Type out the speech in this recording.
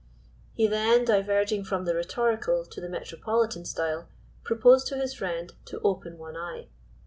He then, diverging from the rhetorical to the metropolitan style, proposed to his friend "to open one eye.